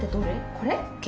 これ？